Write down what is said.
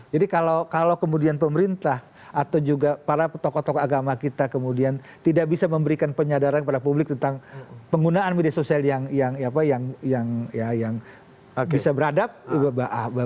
jadi kalau kemudian pemerintah atau juga para tokoh tokoh agama kita kemudian tidak bisa memberikan penyadaran kepada publik tentang penggunaan media sosial yang bisa beradab bahwa